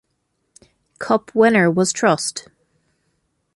Cup winner was Trust.